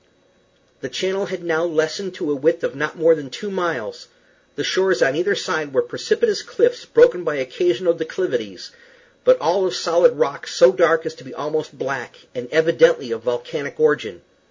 The channel had now lessened to a width of not more than two miles; the shores on either side were precipitous cliffs, broken by occasional declivities, but all of solid rock, so dark as to be almost black, and evidently of volcanic origin.